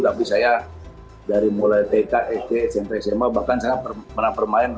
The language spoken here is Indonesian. tapi saya dari mulai tk st smp sma bahkan saya pernah bermain